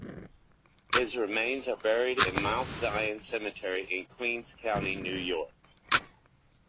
His remains are buried in Mount Zion Cemetery in Queens County, New York.